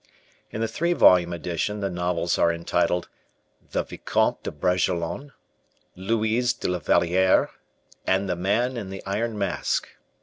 In the three volume edition, the novels are entitled The Vicomte de Bragelonne, Louise de la Valliere, and The Man in the Iron Mask.